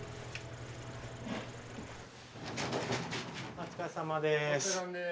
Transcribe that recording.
お疲れさまです。